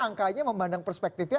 karena angkanya memandang perspektifnya